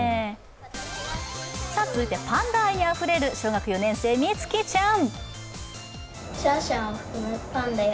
続いてパンダ愛にあふれる小学４年生、光姫ちゃん。